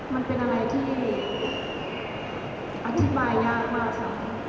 มันเป็นอะไรที่อธิบายยากมากค่ะ